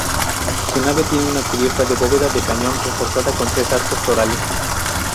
Su nave tiene una cubierta de bóveda de cañón, reforzada con tres arcos torales.